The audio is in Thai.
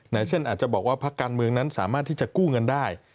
เช่นอาจจะบอกว่าพักการเมืองนั้นสามารถที่จะกู้เงินได้